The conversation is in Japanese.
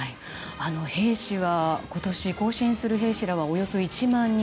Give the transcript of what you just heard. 兵士は今年行進する兵士らはおよそ１万人。